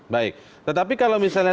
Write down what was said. baik tetapi kalau misalnya